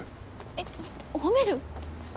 えっ褒める？